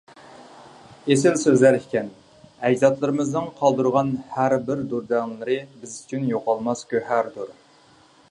ئېسىل سۆزلەر ئىكەن، ئەجدادلىرىمىزنىڭ قالدۇرغان ھەر بىر دۇردانىلىرى بىز ئۈچۈن يوقالماس گۆھەردۇر.